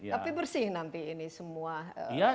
tapi bersih nanti ini semua